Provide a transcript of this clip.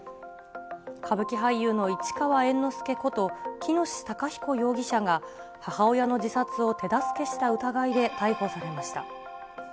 歌舞伎俳優の市川猿之助こと、喜熨斗孝彦容疑者が母親の自殺を手助けした疑いで逮捕されました。